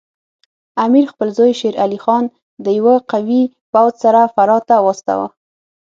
امیر خپل زوی شیر علي خان د یوه قوي پوځ سره فراه ته واستاوه.